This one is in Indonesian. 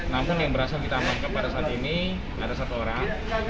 namun yang berhasil kita amankan pada saat ini ada satu orang